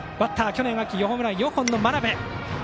去年秋ホームラン４本の真鍋。